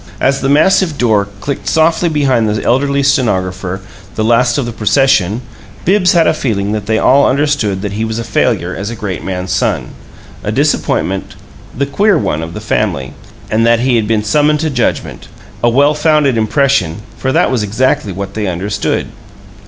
As the massive door clicked softly behind the elderly stenographer, the last of the procession, Bibbs had a feeling that they all understood that he was a failure as a great man's son, a disappointment, the "queer one" of the family, and that he had been summoned to judgment a well founded impression, for that was exactly what they understood.